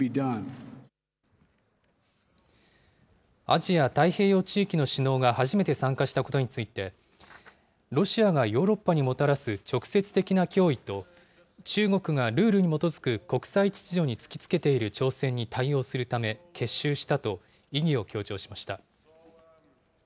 アジア太平洋地域の首脳が初めて参加したことについて、ロシアがヨーロッパにもたらす直接的な脅威と、中国がルールに基づく国際秩序に突きつけている挑戦に対応するため結集したと意義を強調しました。